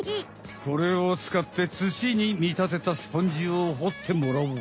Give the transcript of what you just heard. これをつかって土にみたてたスポンジをほってもらおう。